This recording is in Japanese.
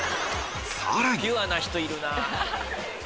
さらに！